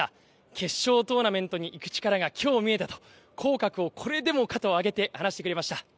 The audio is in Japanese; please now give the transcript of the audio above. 決勝トーナメントに行く力がきょう見えたと、口角をこれでもかと上げて話してくれました。